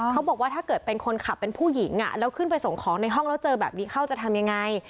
เขาบอกว่าถ้าเกิดเป็นคนขับเป็นผู้หญิงแล้วขึ้นไปส่งของในห้องแล้วเจอแบบนี้เข้าจะทำยังไง